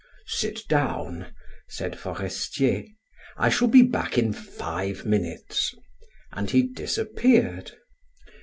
"Sit down," said Forestier, "I shall be back in five minutes," and he disappeared.